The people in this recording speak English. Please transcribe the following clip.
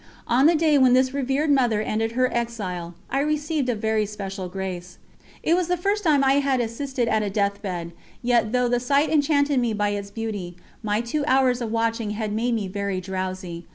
On the day when this revered Mother ended her exile, I received a very special grace. It was the first time I had assisted at a death bed, yet though the sight enchanted me by its beauty, my two hours of watching had made me very drowsy.